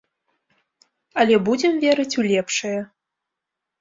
Але будзем верыць у лепшае.